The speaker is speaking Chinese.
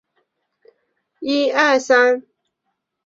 甘波早熟禾为禾本科早熟禾属下的一个种。